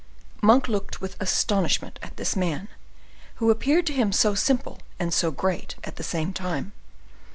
Monk looked with astonishment at this man, who appeared to him so simple and so great at the same time.